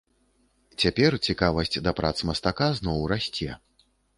Цяпер цікавасць да прац мастака зноў расце.